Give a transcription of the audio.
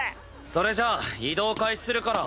それじゃあ移動開始するから。